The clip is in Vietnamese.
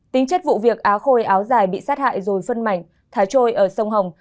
tính chất vụ việc á khôi áo dài bị sát hại rồi phân mảnh thái trôi ở sông hồng